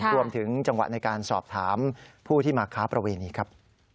รวมถึงจังหวะในการสอบถามผู้ที่มาค้าประเวณีครับ